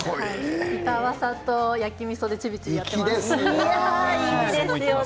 板わさと焼きみそでちびちびやっています。